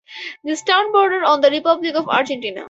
This town border on the Republic of Argentina.